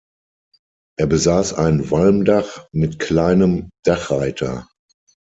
Er besaß ein Walmdach mit kleinem Dachreiter.